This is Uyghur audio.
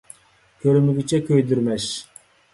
كۆرمىگۈچە كۆيدۈرمەس.